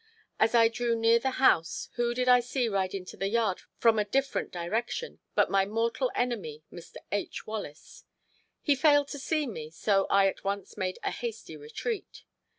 As I drew near the house who did I see ride into the yard from a different direction but my mortal enemy, Mr. H. Wallace. He failed to see me, so I at once made a hasty retreat.